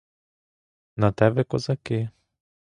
На те ви козаки.